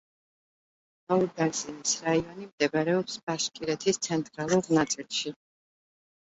აურგაზინის რაიონი მდებარეობს ბაშკირეთის ცენტრალურ ნაწილში.